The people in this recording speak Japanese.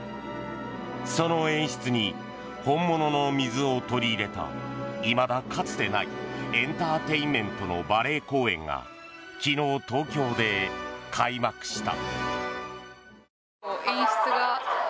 その演出に本物の水を取り入れたいまだかつてないエンターテインメントのバレエ公演が昨日、東京で開幕した。